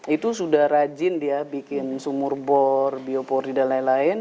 itu sudah rajin dia bikin sumur bor biopori dan lain lain